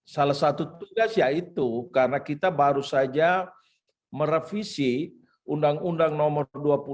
salah satu tugas yaitu karena kita baru saja merevisi undang undang nomor dua puluh dua